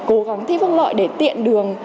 cố gắng thấy phúc lợi để tiện đường